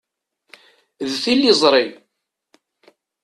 D tiliẓri.